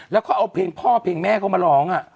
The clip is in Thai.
แล้วก็เอาเพลงพ่อเพลงแม่เขามาร้อง